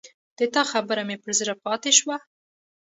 د تا خبره مې پر زړه پاته شوه